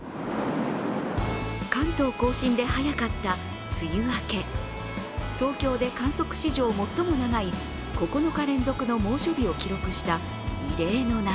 関東甲信で早かった梅雨明け東京で観測史上最も長い９日連続の猛暑日を記録した異例の夏。